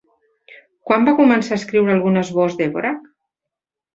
Quan va començar a escriure algun esbós Dvořák?